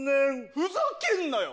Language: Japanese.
ふざけんなよ！